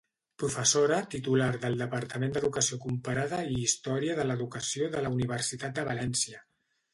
Professora titular del Departament d’Educació Comparada i Història de l’Educació de la Universitat de València.